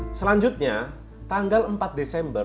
ini dilakukan hingga selasa lima desember